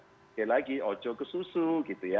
oke lagi oco ke susu gitu ya